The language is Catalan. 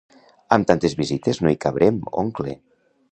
Amb tantes visites no hi cabrem, oncle!